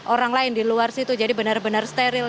orang lain di luar situ jadi benar benar steril